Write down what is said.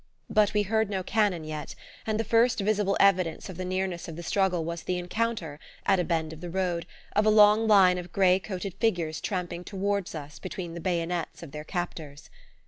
But we heard no cannon yet, and the first visible evidence of the nearness of the struggle was the encounter, at a bend of the road, of a long line of grey coated figures tramping toward us between the bayonets of their captors.